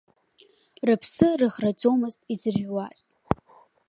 Рыԥсы рыӷраӡомызт иӡырҩуаз.